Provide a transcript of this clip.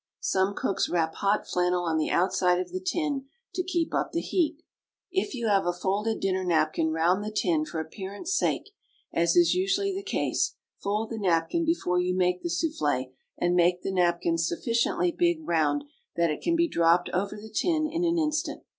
Some cooks wrap hot flannel on the outside of the tin to keep up the heat. If you have a folded dinner napkin round the tin for appearance sake, as is usually the case, fold the napkin before you make the souffle, and make the napkin sufficiently big round that it can be dropped over the tin in an instant.